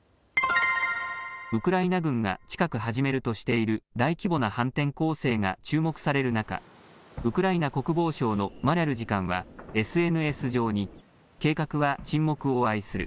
ウクライナ軍が近く始めるとしている大規模な反転攻勢が注目される中、ウクライナ国防省のマリャル次官はＳＮＳ上に計画は沈黙を愛する。